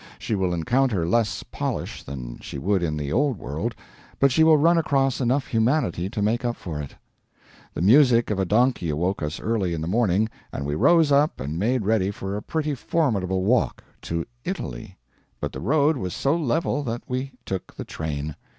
She will encounter less polish than she would in the old world, but she will run across enough humanity to make up for it. The music of a donkey awoke us early in the morning, and we rose up and made ready for a pretty formidable walk to Italy; but the road was so level that we took the train..